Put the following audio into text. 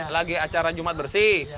lagi acara jumat bersih